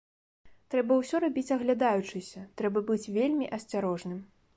Трэба ўсё рабіць аглядаючыся, трэба быць вельмі асцярожным.